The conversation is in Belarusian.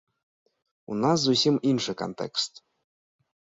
У нас зусім іншы кантэкст.